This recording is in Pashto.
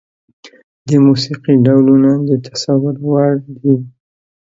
د موسيقي ډولونه د تصور وړ دي.